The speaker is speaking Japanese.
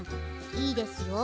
いいですよ。